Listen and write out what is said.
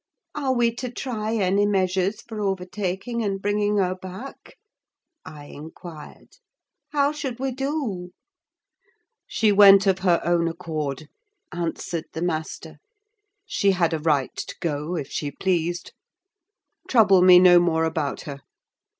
"Are we to try any measures for overtaking and bringing her back," I inquired. "How should we do?" "She went of her own accord," answered the master; "she had a right to go if she pleased. Trouble me no more about her.